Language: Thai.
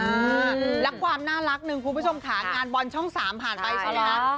และความน่ารักหนึ่งคุณผู้ชมค่ะงานบอลช่อง๓ผ่านไปใช่ไหมคะ